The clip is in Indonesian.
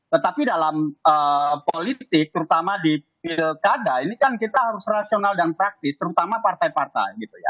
tetapi dalam politik terutama di pilkada ini kan kita harus rasional dan praktis terutama partai partai gitu ya